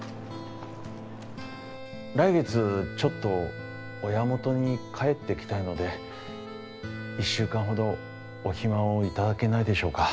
来月ちょっと親元に帰ってきたいので１週間ほどお暇を頂けないでしょうか。